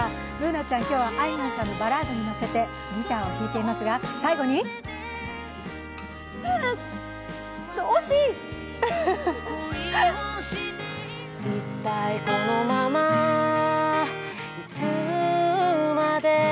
Ｂｏｏｎａちゃん、今日はあいみょんさんのバラードに乗せてギターを弾いていますが、最後に惜しい！